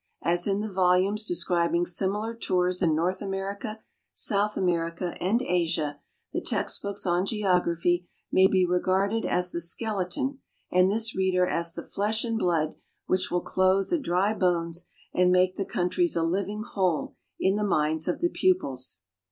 As in the volumes describing similar tours in North America, South America, and Asia, the text books on geography may be regarded as the skeleton and this reader as the flesh and blood which will clothe the dry bones and make the countries a living whole in the minds of the pupils.